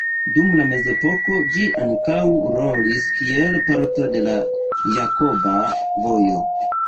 Dum la mezepoko ĝi ankaŭ rolis kiel parto de la Jakoba Vojo.